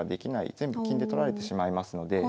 全部金で取られてしまいますので。